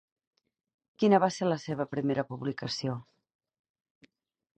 Quina va ser la seva primera publicació?